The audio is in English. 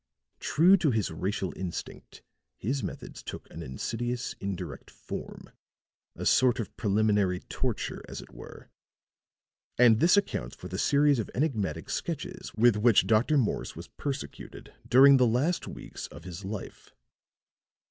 True to his racial instinct his methods took an insidious, indirect form, a sort of preliminary torture, as it were, and this accounts for the series of enigmatic sketches with which Dr. Morse was persecuted during the last weeks of his life."